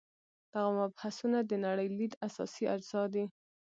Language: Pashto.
دغه مبحثونه د نړۍ لید اساسي اجزا دي.